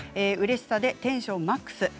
うれしさでテンションマックス。